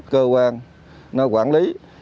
cơ quan nó quản lý